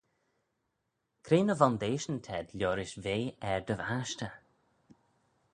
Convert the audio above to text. Cre ny vondeishyn t'ayd liorish ve er dty vashtey?